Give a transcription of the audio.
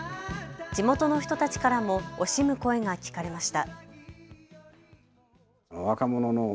地元の人たちからも惜しむ声が聞かれました。